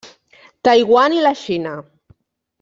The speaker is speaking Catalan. Taiwan i la Xina.